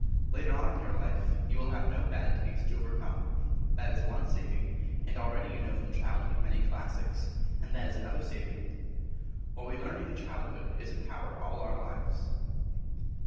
Later on in your life you will have no bad taste to overcome that is one saving; and already you know from childhood many classics, and that is another saving. What we learn in childhood is a power all our lives.